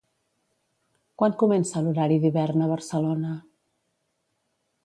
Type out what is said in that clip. Quan comença l'horari d'hivern a Barcelona?